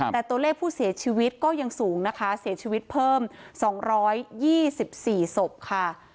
แต่ตัวเลขผู้เสียชีวิตก็ยังสูงนะคะเสียชีวิตเพิ่ม๒๒๔ศพค่ะ